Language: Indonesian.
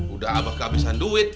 udah abah kehabisan duit